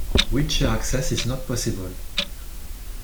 Wheelchair access is not possible.